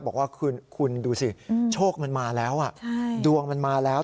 บอกว่าคุณดูสิโชคมันมาแล้วดวงมันมาแล้ว